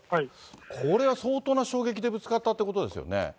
これは相当な衝撃でぶつかったっていうことですよね。